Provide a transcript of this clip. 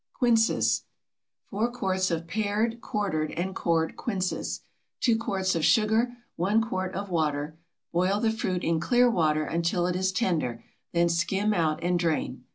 QUINCES. 4 quarts of pared, quartered, and cored quinces. 2 quarts of sugar. 1 quart of water. Boil the fruit in clear water until it is tender, then skim out and drain.